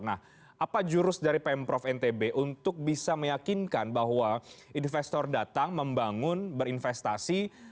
nah apa jurus dari pemprov ntb untuk bisa meyakinkan bahwa investor datang membangun berinvestasi